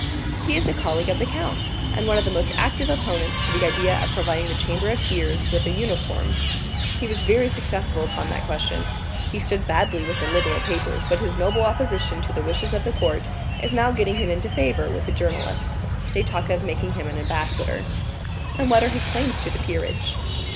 "He is a colleague of the count, and one of the most active opponents to the idea of providing the Chamber of Peers with a uniform. He was very successful upon that question. He stood badly with the Liberal papers, but his noble opposition to the wishes of the court is now getting him into favor with the journalists. They talk of making him an ambassador." 30303m "And what are his claims to the peerage?"